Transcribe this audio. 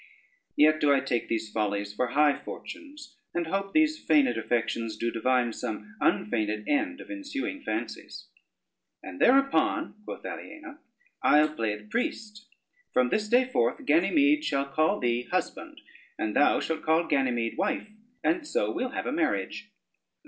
Yet do I take these follies for high fortunes, and hope these feigned affections do divine some unfeigned end of ensuing fancies." [Footnote 1: kernel.] "And thereupon," quoth Aliena, "I'll play the priest: from this day forth Ganymede shall call thee husband, and thou shall call Ganymede wife, and so we'll have a marriage."